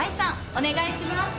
お願いします。